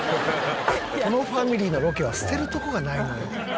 「このファミリーのロケは捨てるとこがないのよ」